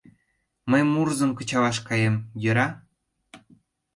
Мый мурызым кычалаш каем, йӧра?